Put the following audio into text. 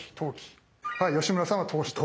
吉村さんは投資と。